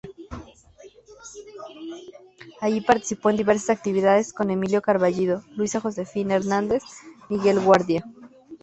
Ahí participó en diversas actividades con Emilio Carballido, Luisa Josefina Hernández, Miguel Guardia.